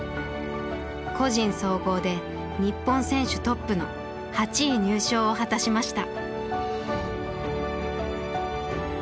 個人総合で日本選手トップの８位入賞を果たしました。